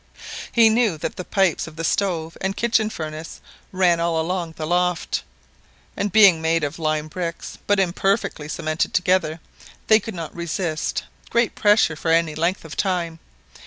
He knew that the pipes of the stove and kitchen furnace ran all along the loft, and being made of lime bricks but imperfectly cemented together, they could not resist great pressure for any length of time.